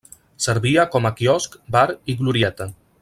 Servia com a quiosc, bar i glorieta.